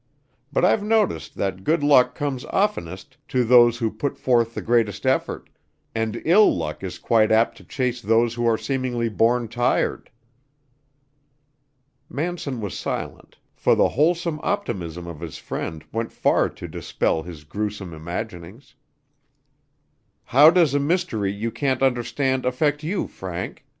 "But I've noticed that good luck comes oftenest to those who put forth the greatest effort, and ill luck is quite apt to chase those who are seemingly born tired." Manson was silent, for the wholesome optimism of his friend went far to dispel his grewsome imaginings. "How does a mystery you can't understand affect you, Frank?"